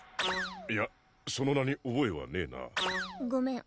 いやその名に覚えはねえなごめん